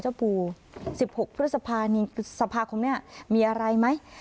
เจ้าปู่๑๖พฤษภาสภาคมนี้มีอะไรไหม